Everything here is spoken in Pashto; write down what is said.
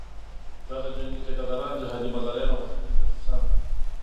دغه جنګي ټیکه داران، جهادي مداریان او بهرني جاسوسان دي.